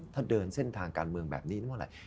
ถ้าเดินเส้นทางการเมืองแบบนี้เมื่อไหร่